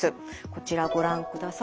こちらご覧ください。